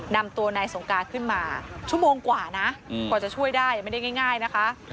นำตัวนายสงการขึ้นมาชั่วโมงกว่านะกว่าจะช่วยได้ไม่ได้ง่ายนะคะ